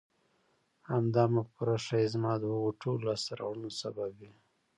همدا مفکوره ښايي زما د هغو ټولو لاسته راوړنو سبب وي.